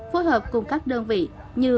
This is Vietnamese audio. phối hợp cùng các đơn vị như